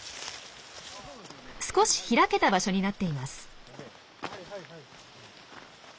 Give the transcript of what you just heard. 少し開けた場所になっています。